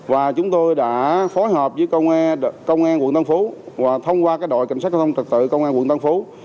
và chúng tôi đã phối hợp với công an quận tân phú và thông qua đội cảnh sát giao thông trật tự công an quận tân phú